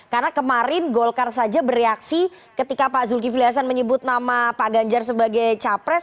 karena kemarin golkar saja bereaksi ketika pak zulkifli hasan menyebut nama pak ganjar sebagai capres